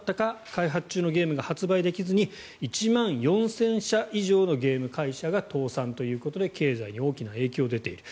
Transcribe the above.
開発中のゲームが発売できずに１万４０００社以上のゲーム会社が倒産ということで経済に大きな影響が出ている。